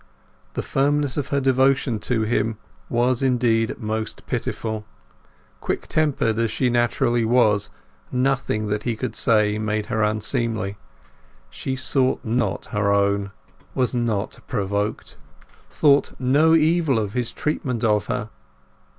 The firmness of her devotion to him was indeed almost pitiful; quick tempered as she naturally was, nothing that he could say made her unseemly; she sought not her own; was not provoked; thought no evil of his treatment of her.